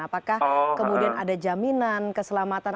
apakah kemudian ada jaminan